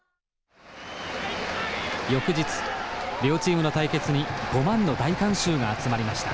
翌日両チームの対決に５万の大観衆が集まりました。